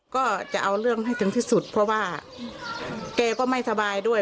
ก็จะเอาเรื่องให้ถึงที่สุดเพราะว่าแกก็ไม่สบายด้วย